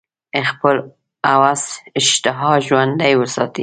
خپل هوس اشتها ژوندۍ وساتي.